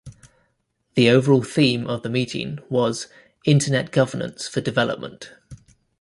The overall theme for the meeting was: "Internet Governance for Development".